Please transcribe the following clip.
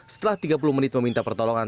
setelah tiga puluh menit meminta pertolongan